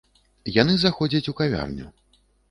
Яны заходзяць у кавярню.